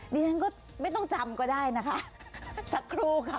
ดิฉันก็ไม่ต้องจำก็ได้นะคะสักครู่ค่ะ